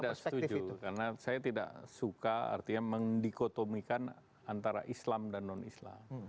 saya tidak setuju karena saya tidak suka artinya mendikotomikan antara islam dan non islam